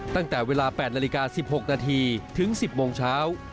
ตั้งแต่เวลา๘นาฬิกา๑๖นาทีถึง๑๐โมงเช้า